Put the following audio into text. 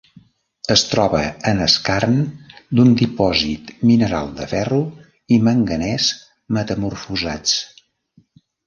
Es troba en skarn d'un dipòsit mineral de ferro i manganès metamorfosats.